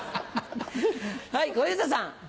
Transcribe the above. はい小遊三さん。